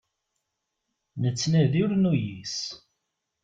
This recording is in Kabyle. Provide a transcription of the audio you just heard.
Nettnadi ur nuyis.